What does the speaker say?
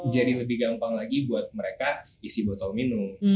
jadi lebih gampang lagi buat mereka isi botol minum